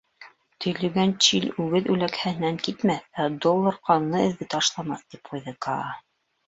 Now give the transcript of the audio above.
— Төйлөгән Чиль үгеҙ үләкһәһенән китмәҫ, ә долдар ҡанлы эҙҙе ташламаҫ, — тип ҡуйҙы Каа.